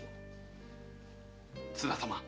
津田様